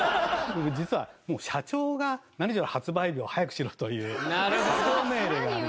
実はもう社長が何しろ発売日を早くしろという社長命令がありましてね。